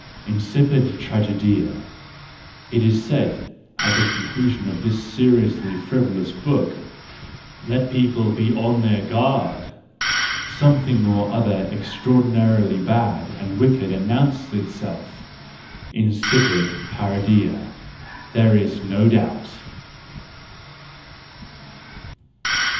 PREFACE TO THE SECOND EDITION 3 Incipit tragcedia :, it is said at the conclusion of this seriously frivolous book; let people be on their guard ! Something or other extraordinarily bad and wicked announces itself: incipitparodia ,, there is no doubt